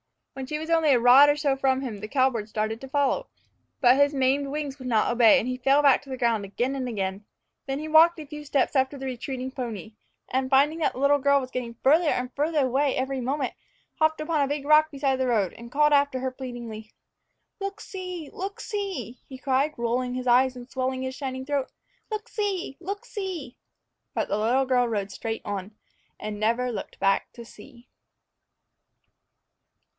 When she was only a rod or so from him, the cowbird tried to follow. But his maimed wings would not obey, and he fell back to the ground again and again. Then he walked a few steps after the retreating pony, and, finding that the little girl was getting farther and farther away every moment, hopped upon a big rock beside the road, and called after her pleadingly. "Look see! look see!" he cried, rolling his eyes and swelling his shining throat; "look see! look see!" But the little girl rode straight on, and never looked back to see.